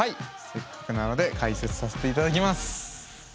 せっかくなので解説させて頂きます。